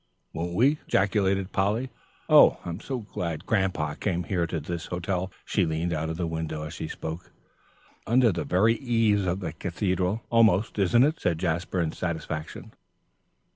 "Won't we!" ejaculated Polly. "I'm so glad Grandpapa came here to this hotel." She leaned out of the window as she spoke. "Under the very eaves of the Cathedral, almost, isn't it?" said Jasper, in satisfaction.